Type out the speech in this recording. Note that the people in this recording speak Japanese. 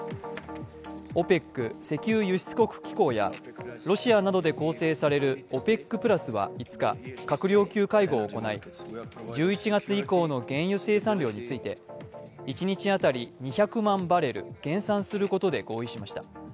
ＯＰＥＣ＝石油輸出国機構やロシアなどで構成されるＯＰＥＣプラスは５日、閣僚級会合を行い１１月以降の原油生産量について一日当たり２００万バレル減産することで合意しました。